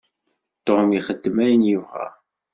Tom ixeddem ayen yebɣa.